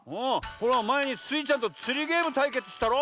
ほらまえにスイちゃんとつりゲームたいけつしたろ？